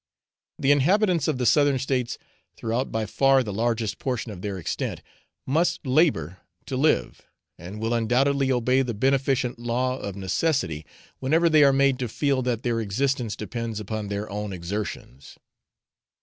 The inhabitants of the Southern States, throughout by far the largest portion of their extent, must labour to live, and will undoubtedly obey the beneficent law of necessity whenever they are made to feel that their existence depends upon their own exertions.